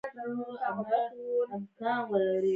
داخلي قطر او خارجي قطر یې د ورنیز کالیپر په واسطه اندازه کړئ.